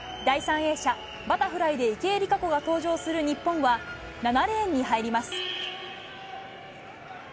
第３泳者バタフライで池江璃花子が登場する日本は、７レーンに入ります。